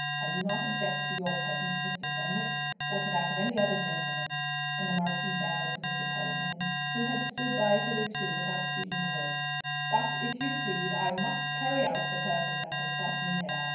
I do not object to your presence, Mr. Fenwick, or to that of any other gentleman," and the Marquis bowed to Mr. Puddleham, who had stood by hitherto without speaking a word; "but, if you please, I must carry out the purpose that has brought me here.